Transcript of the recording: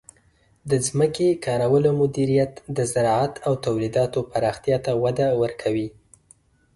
د ځمکې کارولو مدیریت د زراعت او تولیداتو پراختیا ته وده ورکوي.